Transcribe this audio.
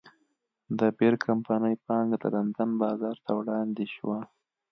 د بیر کمپنۍ پانګه د لندن بازار ته وړاندې شوه.